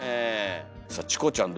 さあチコちゃん